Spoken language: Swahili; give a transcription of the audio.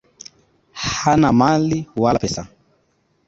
Hana mali wala pesa.